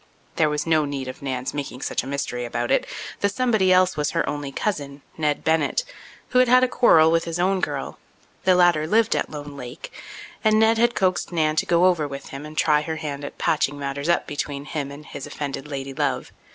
There was no need of Nan's making such a mystery about it. The somebody else was her only cousin, Ned Bennett, who had had a quarrel with his own girl; the latter lived at Lone Lake, and Ned had coaxed Nan to go over with him and try her hand at patching matters up between him and his offended lady love.